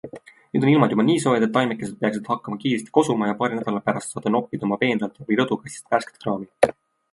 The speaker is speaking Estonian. Nüüd on ilmad juba nii soojad, et taimekesed peaksid hakkama kiiresti kosuma ja paari nädala pärast saate noppida oma peenralt või rõdukastist värsket kraami.